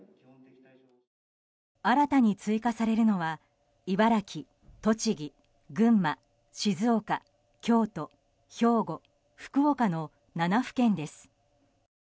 新たに追加されるのは茨城、栃木、群馬、静岡京都、兵庫、福岡の７府県です。